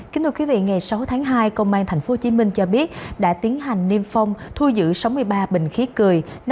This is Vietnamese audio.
kính thưa quý vị ngày sáu tháng hai công an tp hcm cho biết đã tiến hành niêm phong thu giữ sáu mươi ba bình khí cười